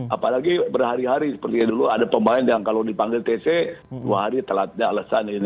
apalagi berhari hari seperti dulu ada pemain yang kalau dipanggil tc dua hari telatnya alasan ini